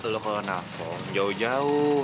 lo kalau nafong jauh jauh